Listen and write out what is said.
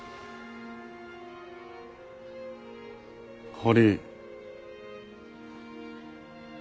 堀。